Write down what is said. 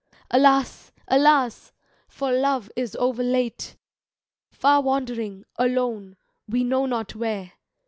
Alas, alas, for Love is overlate! Far 'wandering, alone, we know not where.